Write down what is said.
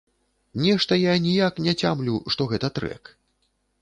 Нешта я ніяк не цямлю, што гэта трэк.